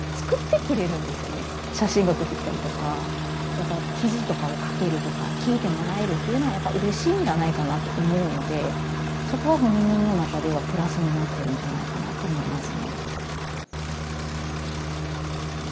やっぱ記事とかを書けるとか聞いてもらえるっていうのはやっぱうれしいんじゃないかなと思うのでそこは本人の中ではプラスになっているんじゃないかなと思いますね。